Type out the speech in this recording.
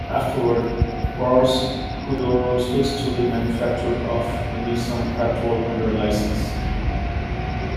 Afterward, Pars Khodro switched to the manufacture of the Nissan Patrol under licence.